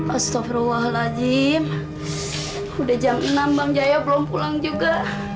astaghfirullahaladzim udah jam enam bang jaya belum pulang juga